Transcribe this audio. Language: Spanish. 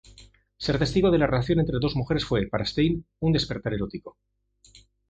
Ser testigo de la relación entre dos mujeres fue, para Stein, un "despertar erótico".